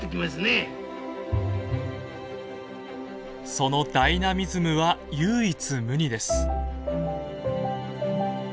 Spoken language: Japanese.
そのダイナミズムは唯一無二です。